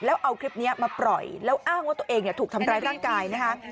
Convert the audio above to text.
แล้วเอาคลิปนี้มาปล่อยแล้วอ้างว่าตัวเองถูกทำร้ายร่างกายนะคะ